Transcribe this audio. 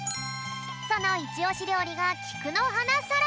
そのイチオシりょうりがきくのはなサラダ。